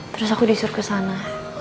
terus aku disuruh ke sana